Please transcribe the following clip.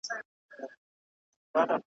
درته موسکی به وي نامرده رقیب `